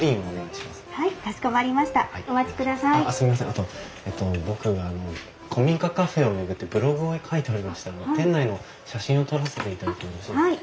あと僕あの古民家カフェを巡ってブログを書いておりまして店内の写真を撮らせていただいてもよろしいですか？